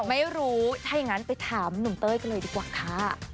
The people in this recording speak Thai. ไม่รู้ถ้าอย่างนั้นไปถามหนุ่มเต้ยกันเลยดีกว่าค่ะ